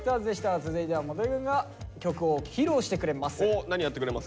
続いては基くんが曲を披露してくれます。